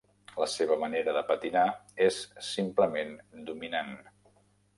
La seva manera de patinar, és simplement dominant.